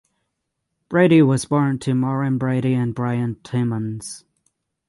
Brady was born to Maureen Brady and Brian Timmons.